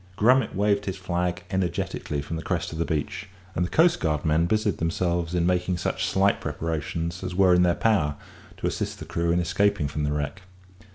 Grummet waved his flag energetically from the crest of the beach, and the coastguardmen busied themselves in making such slight preparations as were in their power to assist the crew in escaping from the wreck.